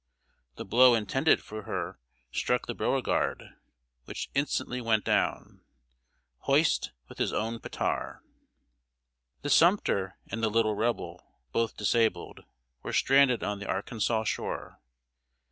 The blow intended for her struck the Beauregard, which instantly went down, "hoist with his own petar." The Sumter and the Little Rebel, both disabled, were stranded on the Arkansas shore.